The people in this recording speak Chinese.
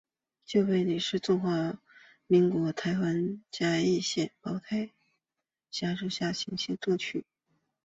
旧埤里是中华民国台湾嘉义县太保市辖下的行政区。